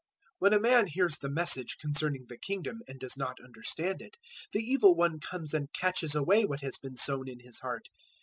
013:019 When a man hears the Message concerning the Kingdom and does not understand it, the Evil one comes and catches away what has been sown in his heart.